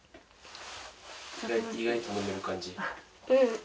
意外と飲める感じ？